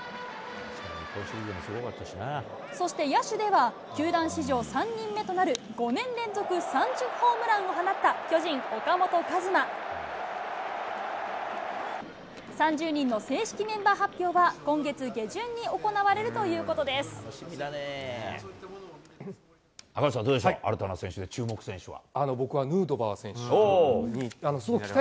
そして野手では、球団史上３人目となる５年連続３０ホームランを放った巨人、岡本和真。３０人の正式メンバー発表は、今月下旬に行われるということで赤星さん、どうでしょう、新たな選手で注目選手は。